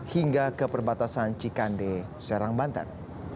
hingga ke perbatasan cikande serang banten